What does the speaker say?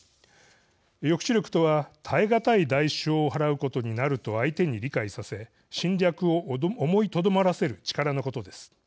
抑止力とは「耐え難い代償を払うことになると相手に理解させ侵略を思いとどまらせる力」のことです。